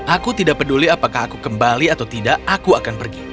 aku tidak peduli apakah aku kembali atau tidak aku akan pergi